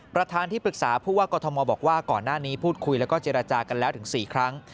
ประธานที่ปรึกษาผู้ว่ากรทมบอกว่าก่อนหน้านี้พูดคุยแล้วก็เจรจากันแล้วถึง๔ครั้ง